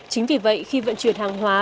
chính vì vậy khi vận chuyển hàng hóa